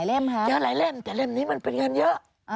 แต่เล่มนี้มันเป็นเงินเยอะ